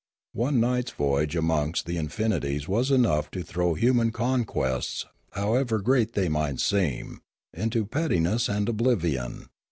One night's voyage amongst the in finities was enough to throw human conquests, however great they might seem, into pettiness and oblivion.